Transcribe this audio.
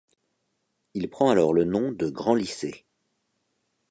Il prend alors le nom de Grand Lycée.